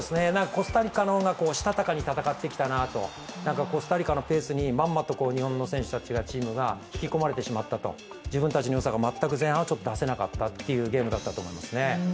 コスタリカの方がしたたかに戦ってきたなと、コスタリカのペースにまんまと日本の選手、チームが引き込まれてしまったと、自分たちのペースが前半は出せなかったというゲームだったと思いますね。